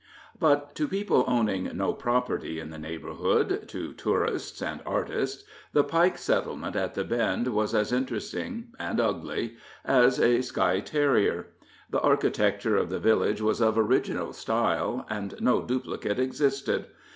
But to people owning no property in the neighborhood to tourists and artists the Pike settlement at the Bend was as interesting and ugly as a skye terrier. The architecture of the village was of original style, and no duplicate existed.